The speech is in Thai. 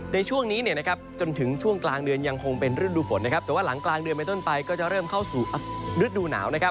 ในช่วงนี้จนถึงช่วงกลางเดือนยังคงเป็นฤดูฝนนะครับแต่ว่าหลังกลางเดือนไปต้นไปก็จะเริ่มเข้าสู่ฤดูหนาวนะครับ